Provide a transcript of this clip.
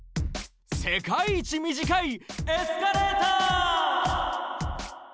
世界一短いエスカレーター！